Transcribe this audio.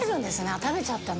食べちゃったな。